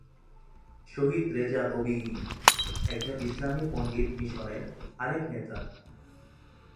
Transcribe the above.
শহীদ Reza OBE, একজন ইসলামী পণ্ডিত মিশনের আরেক নেতা।